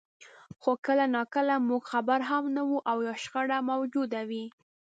خو کله ناکله موږ خبر هم نه یو او شخړه موجوده وي.